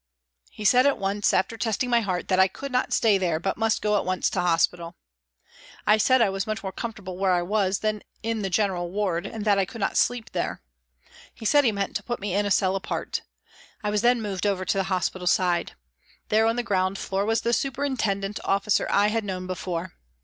He said at once, after testing my heart, that I could not stay there, but must go at once to hospital. I said I was much more comfortable where I was than in the general ward, and that I could not sleep there. He said he meant to put me in a cell apart. I was then moved over to the hospital side. There on the ground floor was the superintendent officer I had known before.